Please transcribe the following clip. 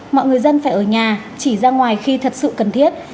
mọi người dân phải ở nhà chỉ ra ngoài khi thật sự cần thiết